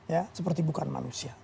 ya seperti bukan manusia